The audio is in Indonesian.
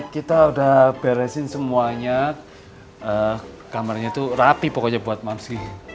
kita udah beresin semuanya kamarnya itu rapi pokoknya buat manski